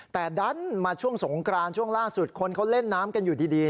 แต่ดันมาช่วงสงกรานช่วงล่าสุดคนเขาเล่นน้ำกันอยู่ดี